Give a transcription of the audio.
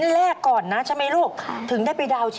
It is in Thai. แล้วก็ผ่อนเดือนละ๑๐๐๐บาท